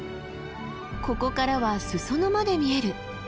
ここからは裾野まで見える！